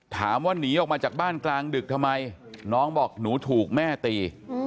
ถามว่าหนีออกมาจากบ้านกลางดึกทำไมน้องบอกหนูถูกแม่ตี